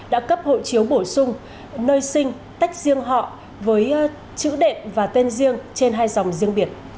đã cấp hộ chiếu bổ sung nơi sinh tách riêng họ với chữ đệm và tên riêng trên hai dòng riêng biệt